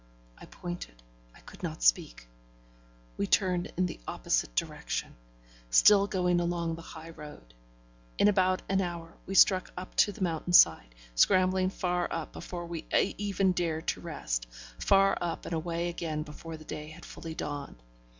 I pointed, I could not speak. We turned in the opposite direction; still going along the high road. In about an hour, we struck up to the mountainside, scrambling far up before we even dared to rest; far up and away again before day had fully dawned.